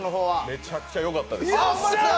めちゃくちゃよかったです。